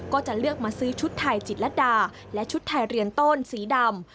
ก็จะเลือกมาซื้อชุดไทยจิตรดาและชุดไทยเรียนต้นสีดำ